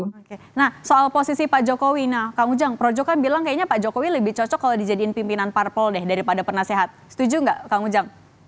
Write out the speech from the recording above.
oke nah soal posisi pak jokowi nah kang ujang projo kan bilang kayaknya pak jokowi lebih cocok kalau dijadiin pimpinan parpol deh daripada penasehat setuju nggak kang ujang